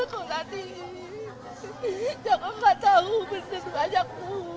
ya allah tidak tahu benar banyak